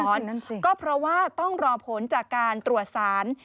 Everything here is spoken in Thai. นั่นสิก็เพราะว่าต้องรอผลจากการตรวจสาร